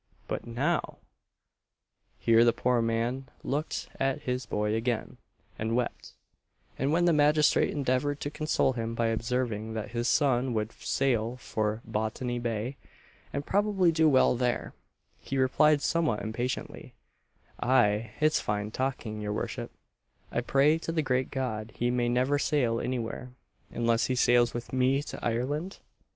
But now! " [Illustration: A DISTRESSED FATHER.] Here the poor man looked at his boy again, and wept; and when the magistrate endeavoured to console him by observing that his son would sail for Botany Bay, and probably do well there; he replied somewhat impatiently, "Aye, it's fine talking, your worship; I pray to the great God he may never sail any where, unless he sails with me to Ireland?"